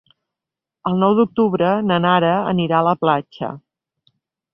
El nou d'octubre na Nara anirà a la platja.